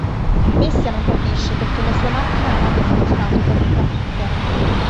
Bestia non capisce perché la sua macchina non abbia funzionato correttamente.